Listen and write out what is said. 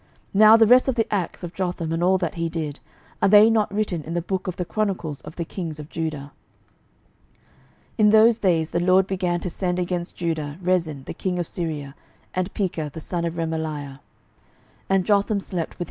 12:015:036 Now the rest of the acts of Jotham, and all that he did, are they not written in the book of the chronicles of the kings of Judah? 12:015:037 In those days the LORD began to send against Judah Rezin the king of Syria, and Pekah the son of Remaliah.